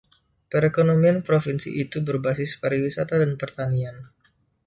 Perekonomian provinsi itu berbasis pariwisata dan pertanian.